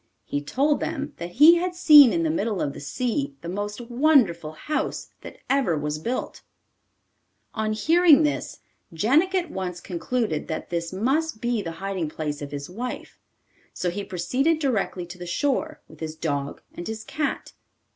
He told them that he had seen in the middle of the sea the most wonderful house that ever was built. On hearing this, Jenik at once concluded that this must be the hiding place of his wife. So he proceeded directly to the shore with his dog and his cat.